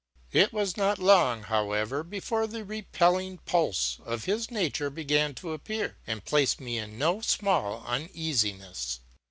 It was not long, however, before the repelling pulse of his nature began to appear, and placed me in no small uneasiness.